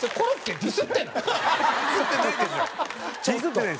ディスってないですよ。